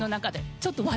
ちょっと。